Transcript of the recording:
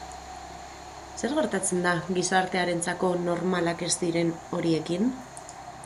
Zer gertatzen da gizartearentzako normalak ez diren horiekin?